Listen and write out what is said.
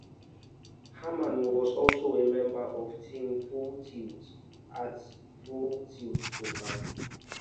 Harman was also a member of "Team Full Tilt" at Full Tilt Poker.